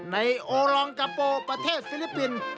โอลองกาโปประเทศฟิลิปปินส์